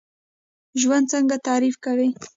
ژوند څنګه تعریف کوئ؟